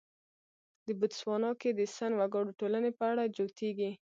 د بوتسوانا کې د سن وګړو ټولنې په اړه جوتېږي.